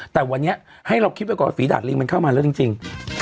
แต่วันนี้ให้เราคิดไว้ก่อนว่าฝีดาดลิงมันเข้ามาแล้วจริง